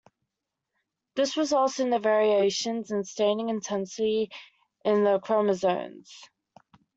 This results in the variations in staining intensity in the chromosomes.